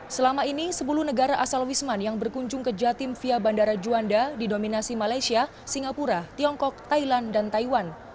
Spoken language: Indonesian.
selama ini sepuluh negara asal wisman yang berkunjung ke jatim via bandara juanda didominasi malaysia singapura tiongkok thailand dan taiwan